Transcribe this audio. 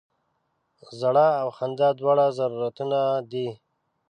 ژړا او خندا دواړه ضرورتونه دي.